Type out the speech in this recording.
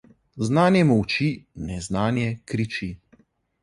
Znanje molči, neznanje kriči.